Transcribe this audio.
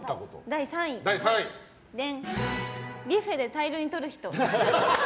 第３位ビュッフェで大量に取る人！